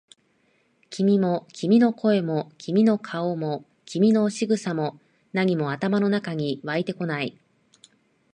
君も、君の声も、君の顔も、君の仕草も、何も頭の中に湧いてこない。